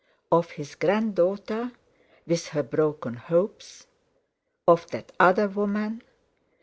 Of his grand daughter, with her broken hopes? Of that other woman?